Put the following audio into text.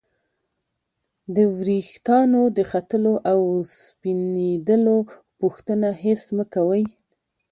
د ورېښتانو د ختلو او سپینیدلو پوښتنه هېڅ مه کوئ!